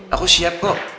aku siap kok